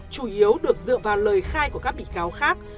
chủ yếu được dựa vào lời khai của các bị cáo khác